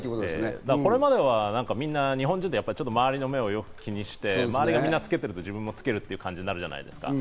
これまでは日本人って周りの目をよく気にして周りがみんなつけてると自分もつけるという感じになるじゃないですか。